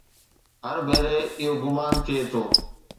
هر ڀيري اهو گمان ٽٽي ويو.